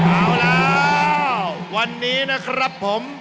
เอาแล้ววันนี้นะครับผม